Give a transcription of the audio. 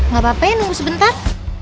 gapapa ya nunggu sebentar